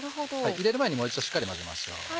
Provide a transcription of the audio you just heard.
入れる前にもう一度しっかり混ぜましょう。